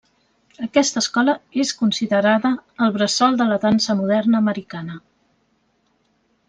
Aquesta escola és considerada el bressol de la dansa moderna americana.